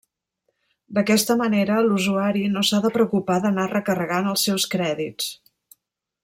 D'aquesta manera l'usuari no s'ha de preocupar d'anar recarregant els seus crèdits.